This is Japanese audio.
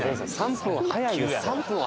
３分は早いよ